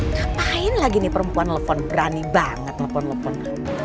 ngapain lagi nih perempuan telepon berani banget telepon lepon